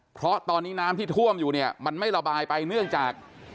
เพราะตอนนี้น้ำที่ท่วมอยู่เนี่ยมันไม่ระบายไปเนื่องจาก